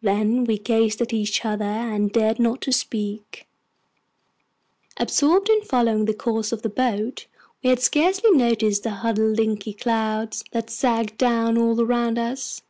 Then we gazed at each other, and dared not speak. Absorbed in following the course of the boat, we had scarcely noticed the huddled inky clouds that sagged down all around us.